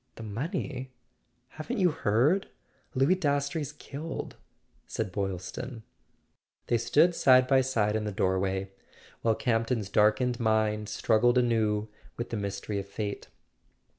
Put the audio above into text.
"The money? Haven't you heard? Louis Dastrey's killed," said Boylston. They stood side by side in the doorway, while Campton's darkened mind struggled anew with the [ 354 ] A SON AT THE FRONT mystery of fate.